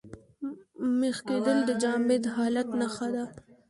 مېخ کېدل د جامد حالت نخښه ده.